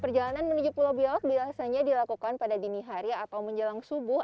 perjalanan menuju pulau biawak biasanya dilakukan pada dini hari atau menjelang subuh